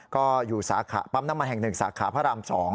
ก็อยู่สาขาปั๊มน้ำมันแห่ง๑สาขาพระราม๒